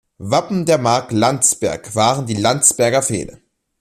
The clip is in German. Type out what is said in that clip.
Wappen der Mark Landsberg waren die Landsberger Pfähle.